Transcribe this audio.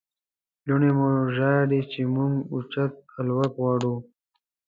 لوڼې مو ژاړي چې موږ اوچت الوت غواړو.